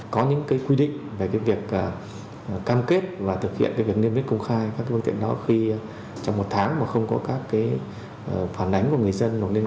có những quy định về việc cam kết và thực hiện liên viết công khai các phương tiện đó khi trong một tháng mà không có các phản ánh của người dân